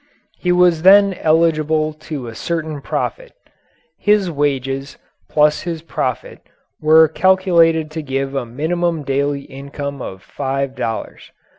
He was then eligible to a certain profit. His wages plus his profit were calculated to give a minimum daily income of five dollars.